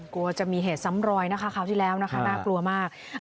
กลัวจะมีเหตุซ้ำรอยนะคะคราวที่แล้วนะคะน่ากลัวมาก